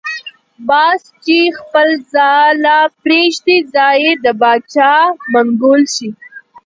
باز چی خپله ځاله پریږدی ځای یی دباچا منګول شی .